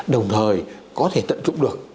đồng thời có thể tận dụng được